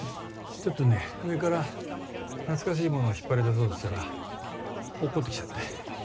ちょっとね上から懐かしい物を引っ張りだそうとしたら落っこってきちゃって。